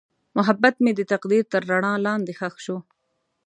محبت مې د تقدیر تر رڼا لاندې ښخ شو.